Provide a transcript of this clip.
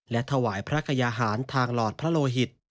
และถวายพระกยาหารทางหลอดพระโลหิต